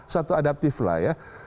satu adaptif lah ya